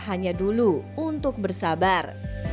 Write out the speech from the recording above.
hanya dulu untuk bersabar